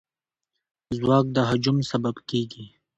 ځواک د هجوم سبب کېږي.